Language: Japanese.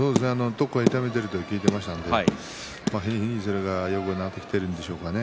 どこか痛めているとは聞いていたのでよくなってきているんでしょうかね。